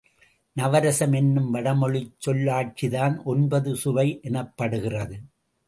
நவரசம் என்னும் வடமொழிச் சொல்லாட்சிதான் ஒன்பது சுவை எனப்படுகிறது.